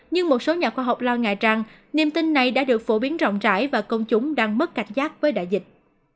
nhưng một số nhà khoa học lo ngại rằng niềm tin này đã được phổ biến rộng rãi và công chúng đang mất cảnh giác với đại dịch